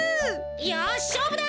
よししょうぶだ。